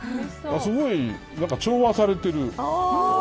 すごい調和されてる。